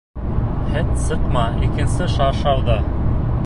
Хет сыҡма икенсе шаршауҙа!